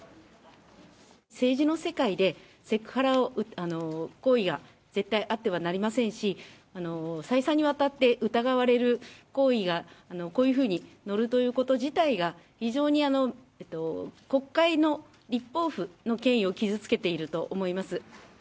政治の世界でセクハラ行為が絶対あってはなりませんし、再三にわたって疑われる行為が、こういうふうに載るということ自体が、非常に国会の立法府の権威を傷つけていると思います。